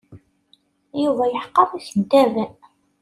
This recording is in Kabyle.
Yuba yeḥqer ikeddaben.